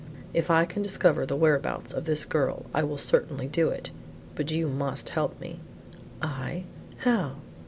If I can discover the whereabouts of this girl I will certainly do it, but you must help me." "I, how?"